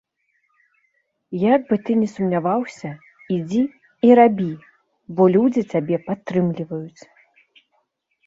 Як бы ты ні сумняваўся, ідзі і рабі, бо людзі цябе падтрымліваюць.